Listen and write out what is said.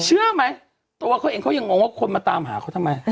เชื่อไหมตัวเขาเองเขายังงงว่าคนมาตามหาเขาทำไม